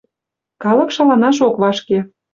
Калык шаланаш ок вашке